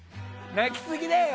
泣きすぎだよ！